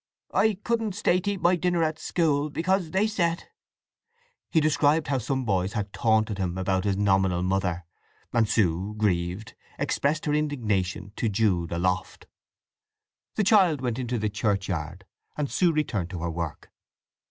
"I couldn't stay to eat my dinner in school, because they said—" He described how some boys had taunted him about his nominal mother, and Sue, grieved, expressed her indignation to Jude aloft. The child went into the churchyard, and Sue returned to her work.